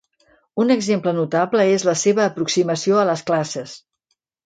Un exemple notable és la seva aproximació a les classes.